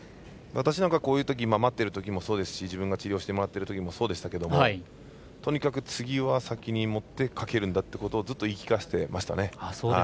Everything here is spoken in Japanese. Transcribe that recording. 私なんかこういうとき待っているときもそうですし自分が治療してもらってるときもそうでしたけどもとにかく次は先に持ってかけるんだということをずっと言い聞かせてましたね。